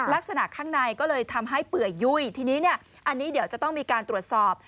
ลักษณะข้างในก็เลยทำให้เปื่อยยุ่ยทีนี้เนี่ยอันนี้เดี๋ยวจะต้องมีการตรวจสอบ